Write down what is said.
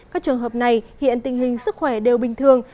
các trường hợp này hiện tình hình sức khỏe đều bình thường